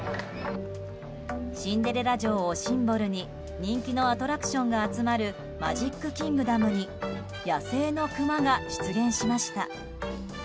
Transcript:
シンデレラ城をシンボルに人気のアトラクションが集まるマジックキングダムに野生のクマが出現しました。